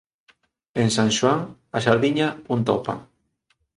En san Xoán a sardiña unta o pan